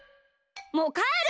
もうかえる！